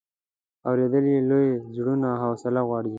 اورېدل یې لوی زړونه او حوصله غواړي.